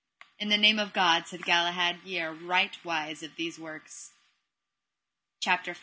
In the name of God, said Galahad, ye are right wise of these works. CHAPTER V.